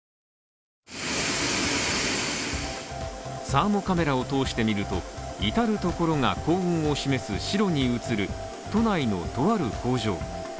サーモカメラを通して見ると至るところが高温を示す白に映る都内のとある工場。